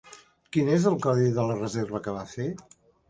Quin és el codi de la reserva que va fer?